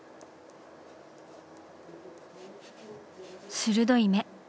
鋭い目。